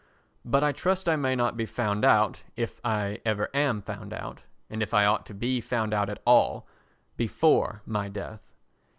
But I trust I may not be found out (if I ever am found out, and if I ought to be found out at all) before my death.